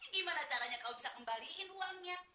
gimana caranya kamu bisa kembaliin uangnya